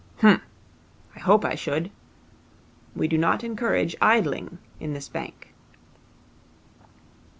'H'm. I hope I should. We do not encourage idling in this bank.'